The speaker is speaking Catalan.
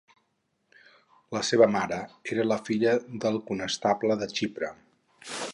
La seva mare era la filla del conestable de Xipre.